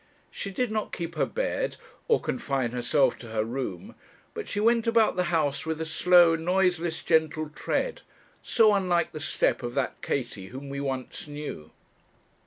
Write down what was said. She did not keep her bed, or confine herself to her room, but she went about the house with a slow, noiseless, gentle tread, so unlike the step of that Katie whom we once knew.